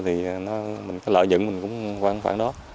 thì lợi nhận mình cũng khoảng đó